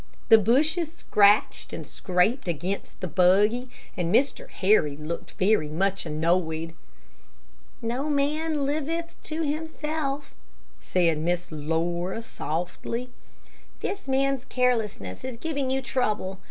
The bushes scratched and scraped against the buggy, and Mr. Harry looked very much annoyed. "No man liveth to himself," said Miss Laura, softly. "This man's carelessness is giving you trouble.